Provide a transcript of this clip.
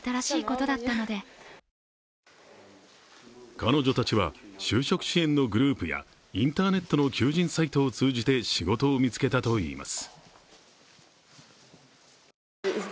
彼女たちは就職支援のグループやインターネットの求人サイトを通じて仕事を見つけたといいます。